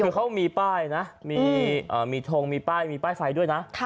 คือเขามีป้ายนะมีทงมีป้ายมีป้ายไฟด้วยนะ